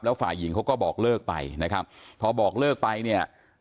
ฝ่ายหญิงเขาก็บอกเลิกไปนะครับพอบอกเลิกไปเนี่ย